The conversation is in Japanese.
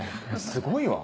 すごいわ。